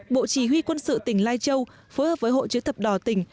bộ chỉ huy quân sự tỉnh lai châu phối hợp với hội chứa thập đỏ tỉnh